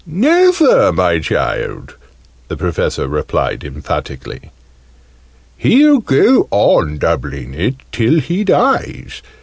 "Never, my child!" the Professor replied emphatically. "He'll go on doubling it, till he dies.